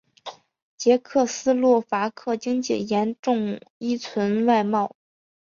捷克斯洛伐克经济严重依存外贸。